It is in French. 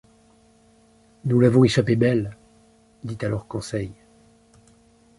Nous l’avons échappé belle ! dit alors Conseil.